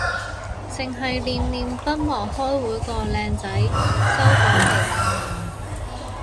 剩係念念不忘開會個靚仔，收咗皮喇